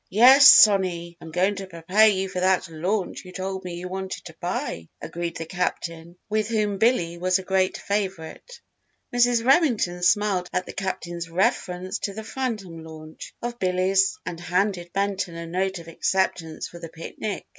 "Yes, Sonny, I'm going to prepare you for that launch you told me you wanted to buy," agreed the Captain with whom Billy was a great favourite. Mrs. Remington smiled at the Captain's reference to the "phantom launch" of Billy's and handed Benton a note of acceptance for the picnic.